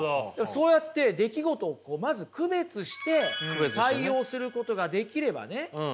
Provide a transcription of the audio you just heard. そうやって出来事をまず区別して対応することができればねいいんです。